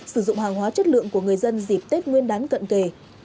sử dụng hàng hóa chất lượng của người dân dịp tết nguyên đán cận kề